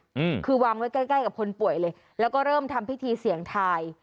อืมคือวางไว้ใกล้ใกล้กับคนป่วยเลยแล้วก็เริ่มทำพิธีเสี่ยงทาย